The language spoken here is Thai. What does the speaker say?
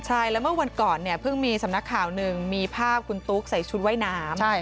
ใช่แล้วเมื่อวันก่อนเนี่ยเพิ่งมีสำนักข่าวหนึ่งมีภาพคุณตุ๊กใส่ชุดว่ายน้ำ